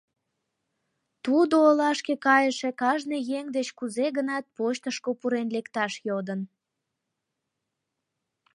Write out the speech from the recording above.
Тудо олашке кайыше кажне еҥ деч кузе гынат почтышко пурен лекташ йодын.